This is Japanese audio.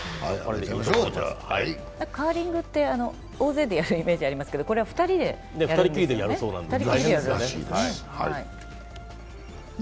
カーリングって大勢でやるイメージがありますけどこれは２人でやるんですね。